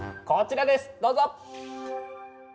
こちらですどうぞ。